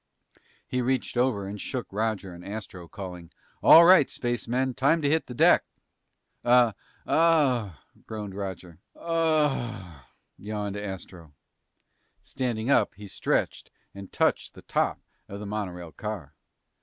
He reached over and shook Roger and Astro, calling, "All right, spacemen, time to hit the deck!" "Uh? Ah ummmh!" groaned Roger. "Ahhhoooohhhhhh!" yawned Astro. Standing up, he stretched and touched the top of the monorail car.